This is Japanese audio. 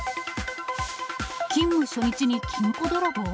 勤務初日に金庫泥棒？